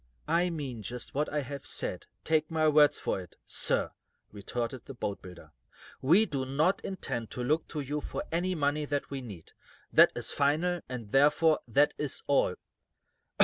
"I mean just what I have said, take my word for it, sir," retorted the boatbuilder. "We do not intend to look to you for any money that we need. That is final, and, therefore, that is all."